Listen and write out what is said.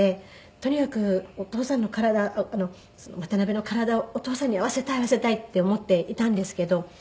とにかく渡辺の体をお義父さんに会わせたい会わせたいって思っていたんですけど。